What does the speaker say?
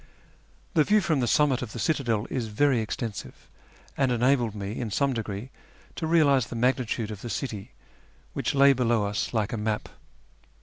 The view from the summit of the citadel is very extensive, and enabled me in some degree to realise the magnitude of the city, which lay below us like a map.